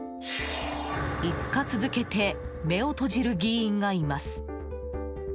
５日続けて目を閉じる議員がいます。